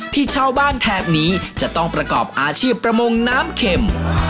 ที่ชาวบ้านแถบนี้จะต้องประกอบอาชีพประมงน้ำเข็ม